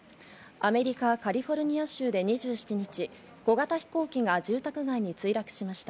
アメリカ・カリフォルニア州で２７日、小型飛行機が住宅街に墜落しました。